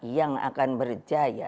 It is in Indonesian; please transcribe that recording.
yang akan berjaya